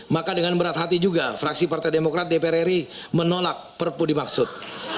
maka dengan berat hati juga fraksi partai demokrat dpr ri menolak perpu dimaksud